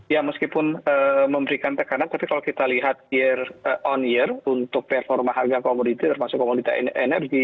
ya meskipun memberikan tekanan tapi kalau kita lihat year on year untuk performa harga komoditi termasuk komoditas energi